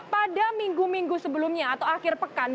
pada minggu minggu sebelumnya atau akhir pekan